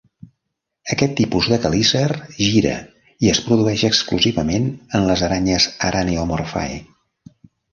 Aquest tipus de quelícer gira i es produeix exclusivament en les aranyes Araneomorphae.